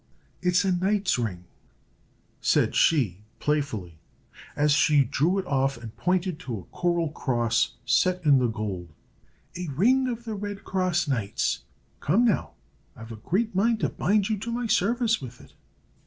"It is a knight's ring," said she, playfully, as she drew it off and pointed to a coral cross set in the gold, "a ring of the red cross knights. Come, now, I've a great mind to bind you to my service with it."